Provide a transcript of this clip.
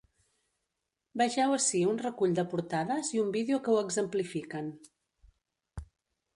Vegeu ací un recull de portades i un vídeo que ho exemplifiquen.